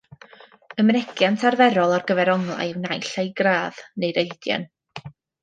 Y mynegiant arferol ar gyfer onglau yw naill ai gradd neu radian.